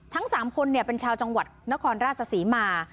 ทั้ง๓คนเป็นชาวจังหวัดนครราชศรีมา